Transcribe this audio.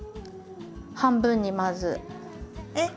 半分にまず。えっ？